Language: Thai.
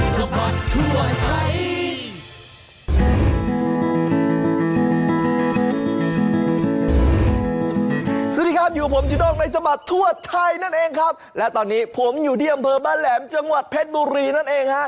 สวัสดีครับอยู่กับผมจุด้งในสบัดทั่วไทยนั่นเองครับและตอนนี้ผมอยู่ที่อำเภอบ้านแหลมจังหวัดเพชรบุรีนั่นเองฮะ